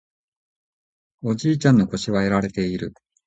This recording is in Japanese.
おじいちゃんの腰はやられている